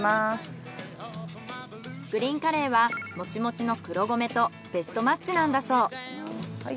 グリーンカレーはモチモチの黒米とベストマッチなんだそう。